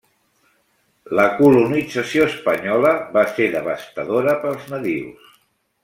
La colonització espanyola va ser devastadora pels nadius.